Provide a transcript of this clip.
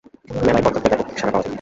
মেলায় করদাতাদের ব্যাপক সাড়া পাওয়া যায়।